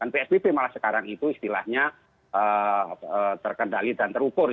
psbb malah sekarang itu istilahnya terkendali dan terukur